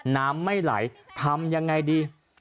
น้ำไม่ไหลทำยังไงดี